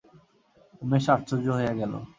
উমেশ আশ্চর্য হইয়া গেল।